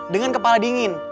dengan kepala dingin